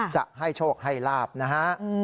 จะให้โชคให้ลาบนะฮะ